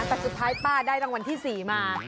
แต่สุดท้ายป้าได้รางวัลที่๔มา